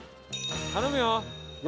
頼むよ。